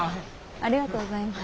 ありがとうございます。